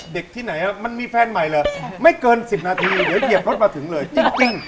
ที่ไหนมันมีแฟนใหม่เหรอไม่เกิน๑๐นาทีเดี๋ยวเหยียบรถมาถึงเลยจริง